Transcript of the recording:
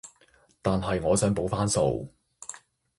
但係我想補返數